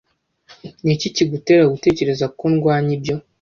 Niki kigutera gutekereza ko ndwanya ibyo?